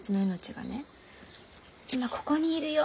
今ここにいるよ